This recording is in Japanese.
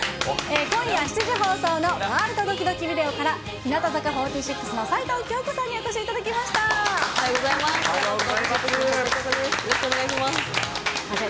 今夜７時放送のワールドドキドキビデオから、日向坂４６の齊藤京子さんにお越しいただきました。